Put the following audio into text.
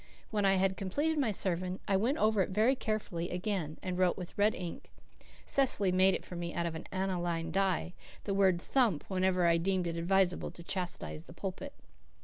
When I had completed my sermon I went over it very carefully again and wrote with red ink Cecily made it for me out of an aniline dye the word "thump" wherever I deemed it advisable to chastise the pulpit.